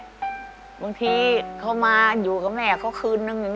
บางทีเขามาอยู่กับแม่เขาคืนนึง